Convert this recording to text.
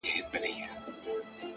يه پر ما گرانه ته مي مه هېروه ـ